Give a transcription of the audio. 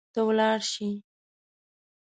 ته ولاړ شي